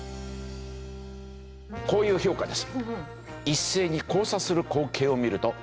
こういう評価です。